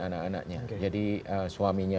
anak anaknya jadi suaminya